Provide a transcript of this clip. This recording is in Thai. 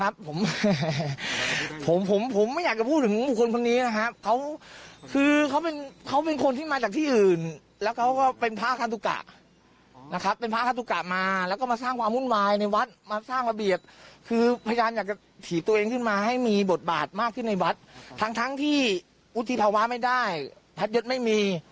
บทบาทมากขึ้นในวัดทั้งที่อุทิภาวะไม่ได้พระเย็ดไม่มี